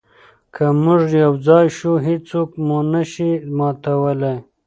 که موږ یو ځای شو، هیڅوک مو نه شي ماتولی.